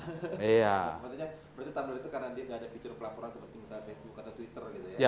maksudnya berarti tunnel itu karena dia nggak ada fitur pelaporan seperti misalnya facebook atau twitter gitu ya